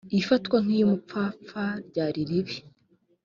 ifatwa nk iy umupfapfa ryariribi